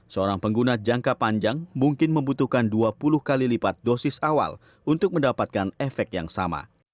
seorang pengguna jangka panjang mungkin membutuhkan dua puluh kali lipat dosis awal untuk mendapatkan efek yang sama